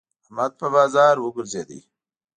احمد په بازار وګرځېد.